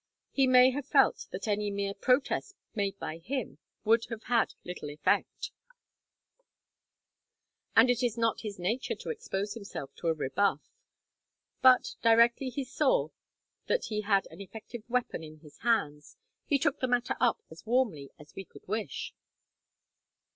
He may have felt that any mere protest made by him would have had little effect, and it is not his nature to expose himself to a rebuff; but, directly he saw that he had an effective weapon in his hands, he took the matter up as warmly as we could wish."